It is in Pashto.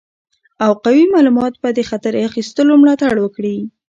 او قوي معلومات به د خطر اخیستلو ملاتړ وکړي.